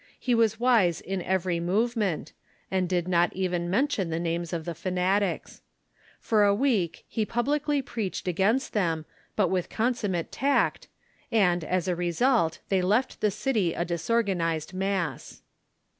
He was wise in every movement, and did not even mention the names of the fanatics. For a week he pub licly preached against them, but with consummate tact, and, as a result, they left the city a disorganized mass.